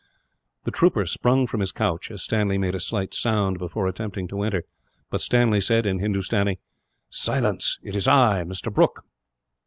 The trooper sprung from his couch, as Stanley made a slight sound before attempting to enter; but Stanley said, in Hindustani: "Silence! It is I, Mr. Brooke."